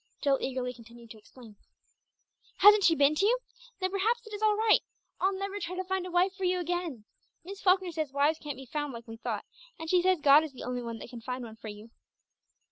Jill eagerly continued to explain "Hasn't she been to you? Then perhaps it is all right. I'll never try to find a wife for you again. Miss Falkner says wives can't be found like we thought, and she says God is the only one that can find one for you."